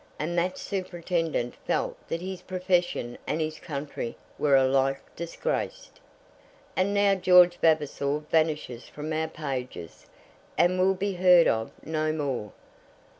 And that superintendent felt that his profession and his country were alike disgraced. And now George Vavasor vanishes from our pages, and will be heard of no more.